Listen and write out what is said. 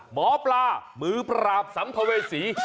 หมอปลาหมือปลาบสัมพก์เวสี